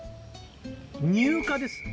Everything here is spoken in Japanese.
乳化です。